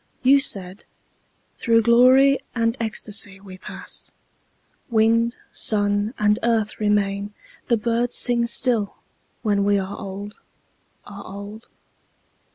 You said, "Through glory and ecstasy we pass; Wind, sun, and earth remain, the birds sing still, When we are old, are old.